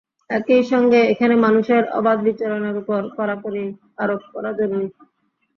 একই সঙ্গে এখানে মানুষের অবাধ বিচরণের ওপর কড়াকড়ি আরোপ করা জরুরি।